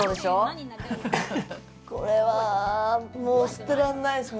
これはもう捨てらんないっすね。